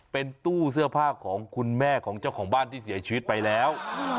เป็นตู้เสื้อผ้าของคุณแม่ของเจ้าของบ้านที่เสียชีวิตไปแล้ว